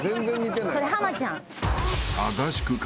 それ浜ちゃん。